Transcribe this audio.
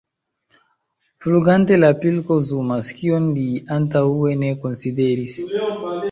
Flugante la pilko zumas, kion li antaŭe ne konsideris.